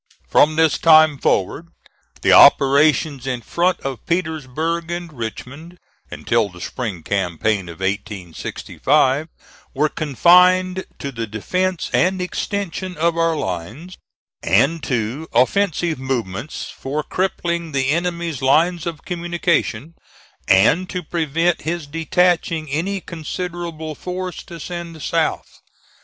From this time forward the operations in front of Petersburg and Richmond, until the spring campaign of 1865, were confined to the defence and extension of our lines, and to offensive movements for crippling the enemy's lines of communication, and to prevent his detaching any considerable force to send south.